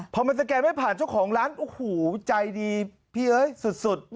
พอมันสแกนไม่ผ่านเจ้าของร้านโอ้โหใจดีพี่เอ้ยสุด